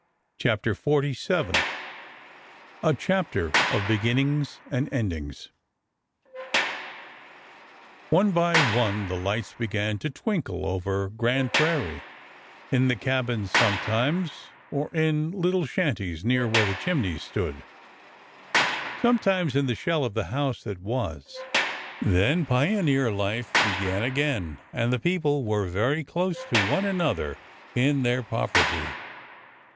CHAPTER XLVII A chapter of beginnings and endings O NE by one the lights began to twinkle over Grand Prairie,— in the cabins sometimes, or in little shanties near where the chimneys stood, — sometimes in the shell of the house that was. Then pioneer life began again, — and the people were very close to one another in their poverty.